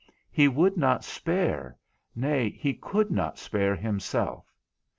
He would not spare, nay, he could not spare himself.